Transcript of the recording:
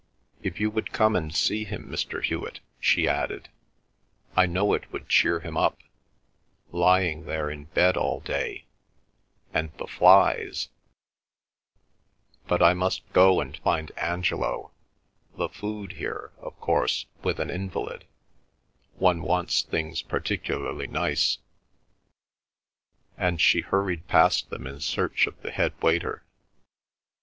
If you would come and see him, Mr. Hewet," she added, "I know it would cheer him up—lying there in bed all day—and the flies—But I must go and find Angelo—the food here—of course, with an invalid, one wants things particularly nice." And she hurried past them in search of the head waiter.